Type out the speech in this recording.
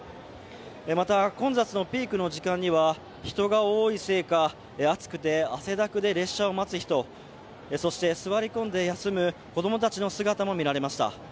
また、混雑のピークの時間には人が多いせいか、暑くて汗だくで列車を待つ人、座り込んで休む子供たちの姿も見られました。